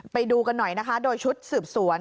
ไปดูกันหน่อยนะคะโดยชุดสืบสวน